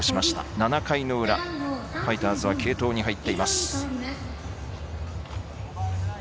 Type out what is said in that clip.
７回の裏、ファイターズは継投に入っています。